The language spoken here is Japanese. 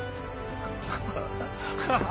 ハハハハハ！